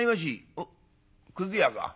「おっくず屋か。